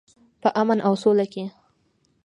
په امن او سوله کې.